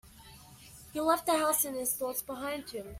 He left the house and his thoughts behind him.